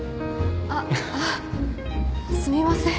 あっすみません。